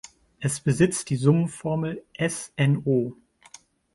Es besitzt die Summenformel SnO.